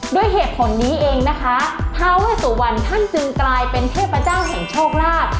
ด้วยเหตุผลนี้เองนะคะทาเวสุวรรณท่านจึงกลายเป็นเทพเจ้าแห่งโชคลาภ